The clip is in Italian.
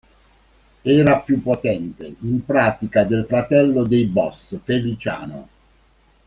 Era più potente, in pratica del fratello dei boss, Feliciano.